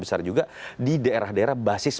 besar juga di daerah daerah basis